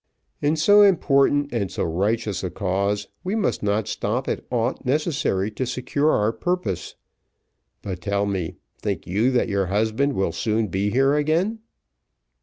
"In so important and so righteous a cause, we must not stop at aught necessary to secure our purpose. But, tell me, think you that your husband will soon be here again?"